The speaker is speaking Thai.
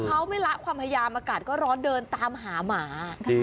เขาไม่ละความพยายามอากาศก็ร้อนเดินตามหาหมา